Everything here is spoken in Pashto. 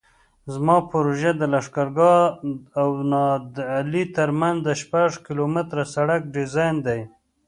زما پروژه د لښکرګاه او نادعلي ترمنځ د شپږ کیلومتره سرک ډیزاین دی